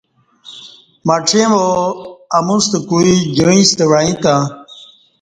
مڄیں وا اموستہ کوعی جعیستہ وعیں تہ